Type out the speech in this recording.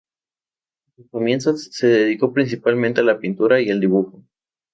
En sus comienzos, se dedicó principalmente a la pintura y el dibujo.